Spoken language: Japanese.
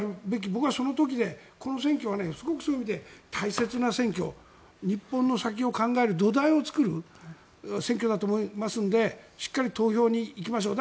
僕はその時、この選挙はすごくそういう意味で大切な選挙日本の先を考える土台を作る選挙だと思いますのでしっかり投票に行きましょう。